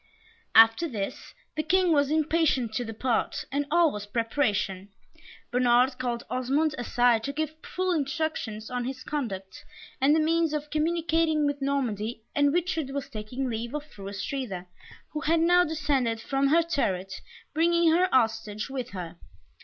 After this, the King was impatient to depart, and all was preparation. Bernard called Osmond aside to give full instructions on his conduct, and the means of communicating with Normandy, and Richard was taking leave of Fru Astrida, who had now descended from her turret, bringing her hostage with her.